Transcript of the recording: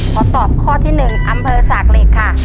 ขอตอบข้อที่๑อำเภอสากเหล็กค่ะ